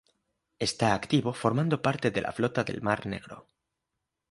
Está activo formando parte de la Flota del Mar Negro.